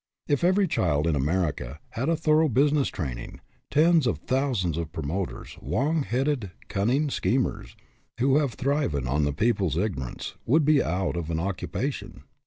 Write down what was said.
If every child in America had a thorough business training, tens of thousands of promoters, long headed, cunning schemers, who have thriven on the people's ignorance, would be out of an occupation.